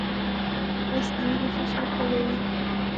رس د وینې فشار کموي